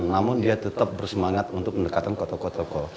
namun dia tetap bersemangat untuk mendekatkan ke tokoh tokoh